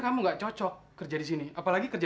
kamu gak cocok kerja di sini apalagi kerja